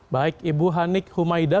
baik ibu hanik humayda